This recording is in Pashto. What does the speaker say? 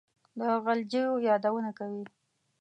د غلجیو یادونه کوي.